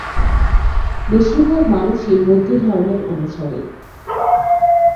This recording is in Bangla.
বেশিরভাগ মানুষই বৌদ্ধধর্মের অনুসারী।